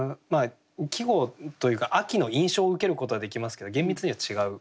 季語というか秋の印象を受けることはできますけど厳密には違う。